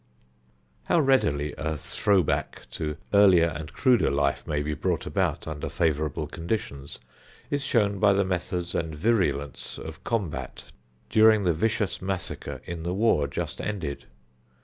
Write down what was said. How readily a "throw back" to earlier and cruder life may be brought about under favorable conditions, is shown by the methods and virulence of combat during the vicious massacre in the war just ended.